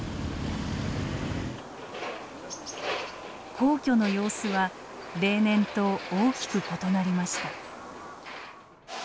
皇居の様子は例年と大きく異なりました。